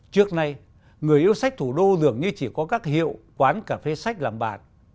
trước nay người yêu sách thủ đô dường như chỉ có các hiệu quán cà phê sách làm bạn